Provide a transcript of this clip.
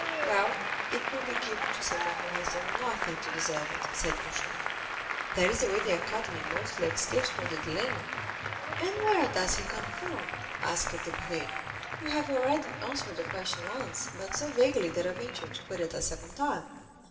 "Well, it will be given to someone who has done nothing to deserve it," said Beauchamp; "that is the way the Academy mostly escapes from the dilemma." "And where does he come from?" asked Debray. "You have already answered the question once, but so vaguely that I venture to put it a second time."